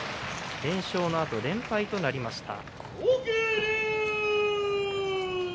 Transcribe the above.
連勝のあと連敗となりました。